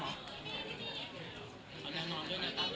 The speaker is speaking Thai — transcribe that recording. โอเคแล้วเนอะ